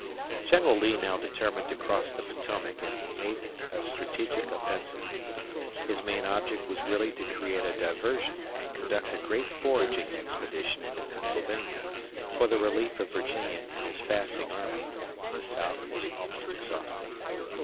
General Lee now determined to cross the Potomac and make a strategic offensive. His main object was really to create a diversion and conduct a great foraging expedition into Pennsylvania for the relief of Virginia and his fasting army the South was almost exhausted.